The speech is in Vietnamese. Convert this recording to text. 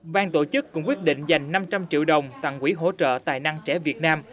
ban tổ chức cũng quyết định dành năm trăm linh triệu đồng tặng quỹ hỗ trợ tài năng trẻ việt nam